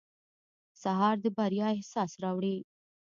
سهار د بریا احساس راوړي.